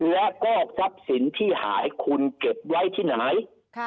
และก็ทรัพย์สินที่หายคุณเก็บไว้ที่ไหน